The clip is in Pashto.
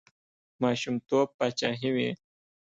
ماشومتوب پاچاهي وي.